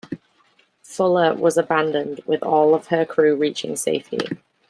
"Fuller" was abandoned, with all of her crew reaching safety.